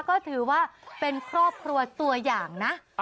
ก็ถือว่าเป็นครอบครัวตัวอย่างนะ